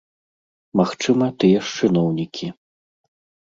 Магчыма, тыя ж чыноўнікі.